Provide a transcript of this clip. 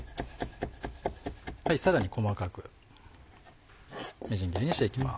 さらに細かくみじん切りにしていきます。